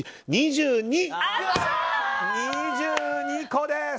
２２個です！